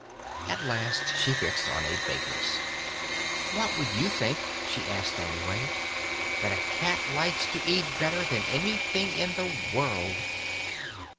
At last she fixed on a baker's. "What should you think," she asked on the way, "that a cat likes to eat better than anything in the world?"